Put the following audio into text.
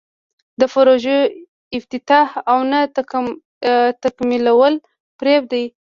د پروژو افتتاح او نه تکمیلول فریب دی.